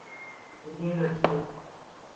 یقین رکھیے۔